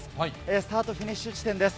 スタート・フィニッシュ地点です。